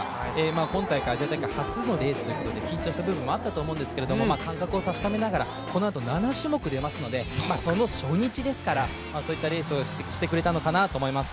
今大会アジア大会初のレースということで緊張した部分もあったかと思うんですが感覚を確かめながら、このあと７種目出ますから、その初日ですから、そういったレースをしてくれたのかなと思います。